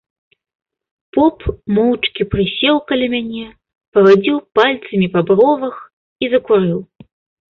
Поп моўчкі прысеў каля мяне, павадзіў пальцамі па бровах і закурыў.